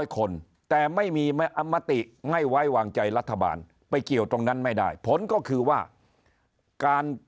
คนแต่ไม่มีอมติไม่ไว้วางใจรัฐบาลไปเกี่ยวตรงนั้นไม่ได้ผลก็คือว่าการ